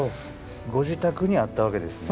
ご自宅にあったわけですね。